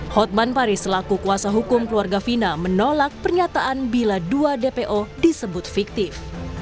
hotman paris selaku kuasa hukum keluarga fina menolak pernyataan bila dua dpo disebut fiktif